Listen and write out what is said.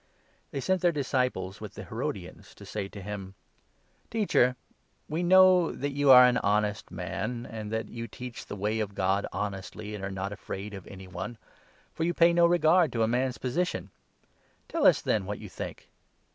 They sent 16 their disciples, with the Herodians, to say to him : "Teacher, we know that you are an honest man, and that you teach the Way of God honestly, and are not afraid of any one ; for you pay no regard to a man's position. Tell us, 17 then, what you think.